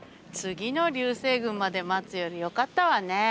次の流星群まで待つよりよかったわね。